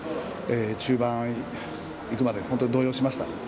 中盤行くまで本当に動揺しました。